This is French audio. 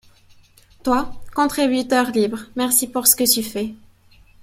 Toi contributeur libre, merci pour ce que tu fais.